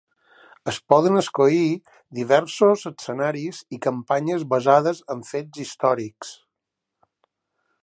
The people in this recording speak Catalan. Es poden escollir diversos escenaris i campanyes basades en fets històrics.